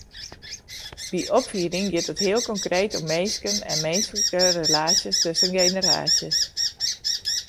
By opfieding giet it heel konkreet om minsken en minsklike relaasjes tusken generaasjes.